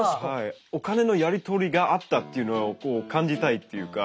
お金のやり取りがあったっていうのを感じたいっていうか。